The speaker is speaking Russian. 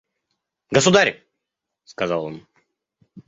«Государь! – сказал он.